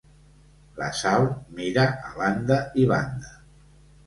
La Sal mira a banda i banda.